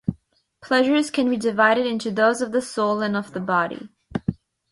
Pleasures can be divided into those of the soul and of the body.